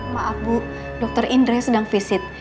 maaf bu dokter indra sedang visit